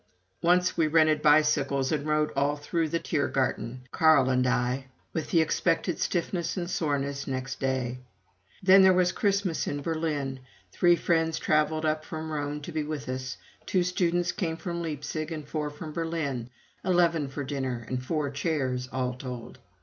Once we rented bicycles and rode all through the Tiergarten, Carl and I, with the expected stiffness and soreness next day. Then there was Christmas in Berlin. Three friends traveled up from Rome to be with us, two students came from Leipzig, and four from Berlin eleven for dinner, and four chairs all told.